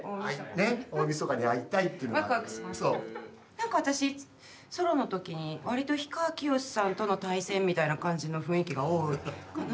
何か私ソロの時にわりと氷川きよしさんとの対戦みたいな感じの雰囲気が多いかな⁉